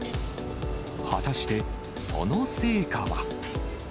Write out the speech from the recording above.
果たしてその成果は。